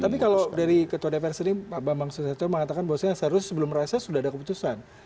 tapi kalau dari ketua dpr sendiri pak bambang susatyo mengatakan bahwa seharusnya sebelum reses sudah ada keputusan